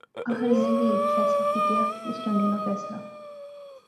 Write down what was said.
آخر انیں وی ہیک فیصلہ کیتیا اس ٹہنگے ناں فیصلہ